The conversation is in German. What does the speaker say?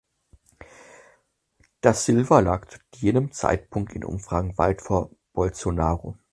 Da Silva lag zu jenem Zeitpunkt in Umfragen weit vor Bolsonaro.